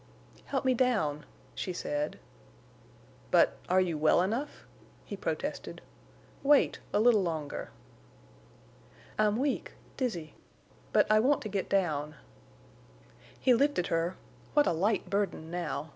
"Help me down," she said. "But—are you well enough?" he protested. "Wait—a little longer." "I'm weak—dizzy. But I want to get down." He lifted her—what a light burden now!